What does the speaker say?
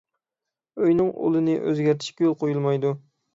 ئۆينىڭ ئۇلىنى ئۆزگەرتىشكە يول قويۇلمايدۇ.